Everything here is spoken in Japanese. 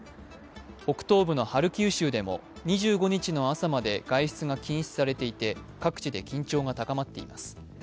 北東部のハルキウ州でも２５日の朝まで外出が禁止されていて、各地で緊張が高まっています。